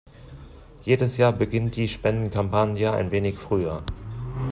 Jedes Jahr beginnt die Spendenkampagne ein wenig früher.